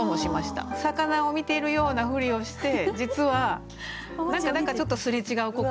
魚を見ているようなふりをして実は何かちょっとすれ違う心。